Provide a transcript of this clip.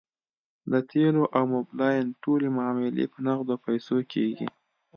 د تیلو او موبلاین ټولې معاملې په نغدو پیسو کیږي